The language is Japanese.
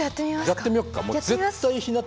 やってみよっか。